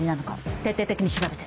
徹底的に調べて。